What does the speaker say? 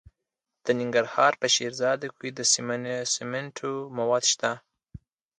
د ننګرهار په شیرزاد کې د سمنټو مواد شته.